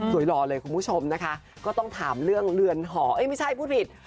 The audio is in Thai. รอเลยคุณผู้ชมนะคะก็ต้องถามเรื่องเรือนหอเอ้ยไม่ใช่พูดผิด